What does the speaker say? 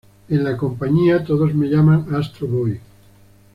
En la compañía, todos me llaman Astro Boy.